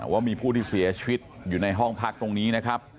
ว่ามีผู้ที่เสียชีวิตอยู่ในห้องพักตรงนี้นะครับ